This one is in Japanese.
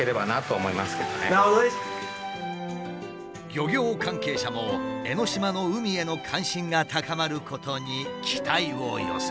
漁業関係者も江の島の海への関心が高まることに期待を寄せる。